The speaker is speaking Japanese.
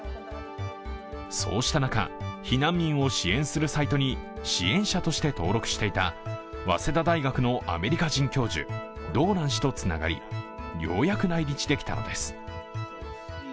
そうした中、避難民を支援するサイトに支援者として登録していた早稲田大学のアメリカ人教授、ドーラン氏とつながりようやく来日できたのです。